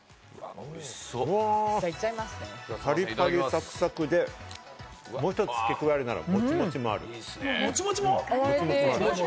パリパリサクサクで、もう１つ付け加えるなら、モチモチもある。